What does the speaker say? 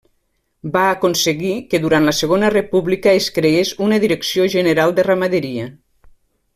Va aconseguir que durant la Segona República es creés una Direcció general de Ramaderia.